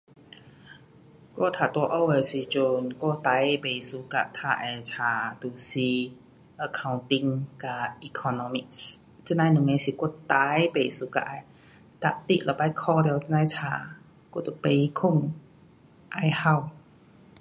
我读大学的时阵，我最不 suka 读的书就是 accounting 跟 economics 这呐两个就是我最不喜欢的，哒你每次考了这呐的书，我都甭睡，要哭。